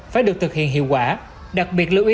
phải được thực hiện hiệu quả đặc biệt lưu ý